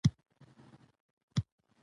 سیاسي بدلون د اصلاح اړتیا ده